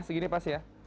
segini pasti ya